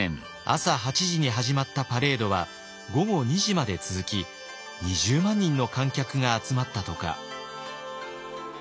朝８時に始まったパレードは午後２時まで続き２０万人の観客が集まったとか。